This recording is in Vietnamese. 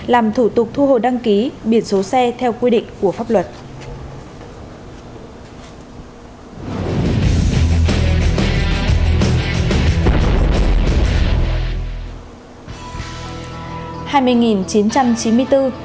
làm thủ tục thu hồ đăng ký biển số xe theo quy định của pháp luật